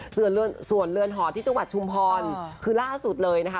ส่วนเลือนหอนที่จังหวัดชุมพรคือล่าสุดเลยนะคะ